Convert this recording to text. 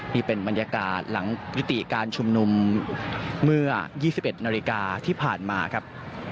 นี่เป็นบรรยากาศหลังยุติการชุมนุมเมื่อ๒๑นาฬิกาที่ผ่านมาครับ